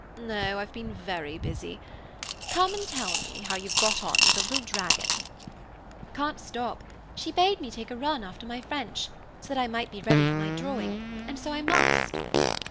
"No, I've been very busy. Come and tell me how you've got on with the little dragon." "Can't stop. She bade me take a run after my French, so that I might be ready for my drawing, and so I must."